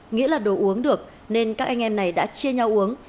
nghĩa là đồ uống được nên các anh em này đã chia nhau uống